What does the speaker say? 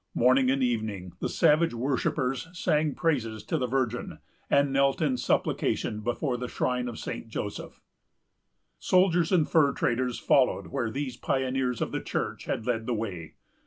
Morning and evening, the savage worshippers sang praises to the Virgin, and knelt in supplication before the shrine of St. Joseph. Soldiers and fur traders followed where these pioneers of the church had led the way.